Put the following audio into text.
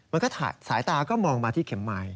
มันก็สายตาก็มองมาที่เข็มไม้